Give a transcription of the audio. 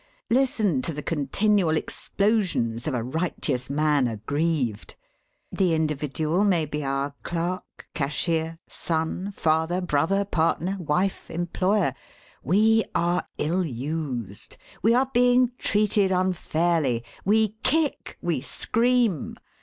Listen to the continual explosions of a righteous man aggrieved! The individual may be our clerk, cashier, son, father, brother, partner, wife, employer. We are ill used! We are being treated unfairly! We kick; we scream.